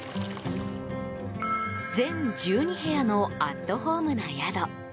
全１２部屋のアットホームな宿。